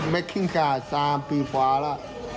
ไม่ขึ้นค่ะ๓ปีกว่าละ